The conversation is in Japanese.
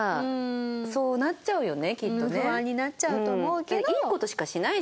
不安になっちゃうと思うけど。